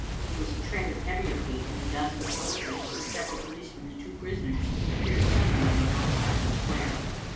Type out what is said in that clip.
There was a tread of heavier feet, and a dozen soldiers, with several policemen and two prisoners, appeared suddenly on the north side of the square.